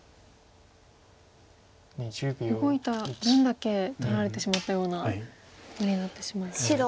動いた分だけ取られてしまったような局面になってしまいましたか。